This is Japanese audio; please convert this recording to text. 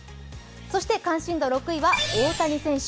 そして関心度６位は大谷選手。